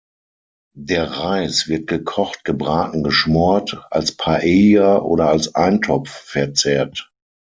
Der Reis wird gekocht, gebraten, geschmort, als Paella oder als Eintopf verzehrt.